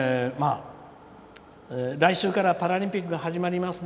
「来週からパラリンピックが始まりますね」。